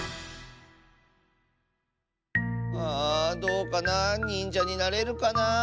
あどうかな。にんじゃになれるかな？